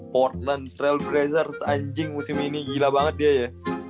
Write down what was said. portland trailblazers anjing musim ini gila banget dia ya